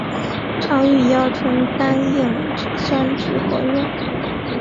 常与乙二醇单硬脂酸酯合用。